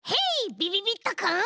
びびびっとくん。